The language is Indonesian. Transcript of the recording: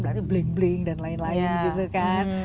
berarti bling bling dan lain lain gitu kan